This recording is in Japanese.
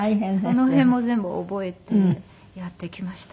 その辺も全部覚えてやってきました。